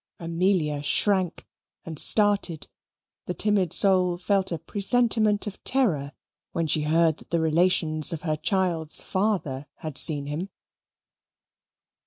Amelia shrank and started; the timid soul felt a presentiment of terror when she heard that the relations of the child's father had seen him.